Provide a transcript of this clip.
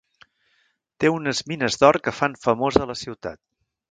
Té unes mines d'or que fan famosa a la ciutat.